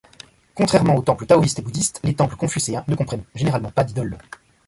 Contrairement aux temples taoïstes ou bouddhistes, les temples confucéens ne comprennent généralement pas d'idoles.